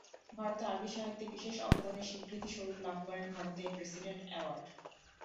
ভারতে আরবি সাহিত্যে বিশেষ অবদানের স্বীকৃতিস্বরূপ লাভ করেন ভারতের ‘প্রেসিডেন্ট অ্যাওয়ার্ড’।